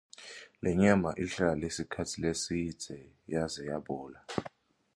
Lenyama ihlale sikhatsi lesidze yaze yabola.